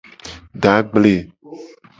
De agble.